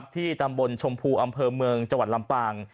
ที่ตำบลชมพูอำเภอเมืองจังหวัดลำปาง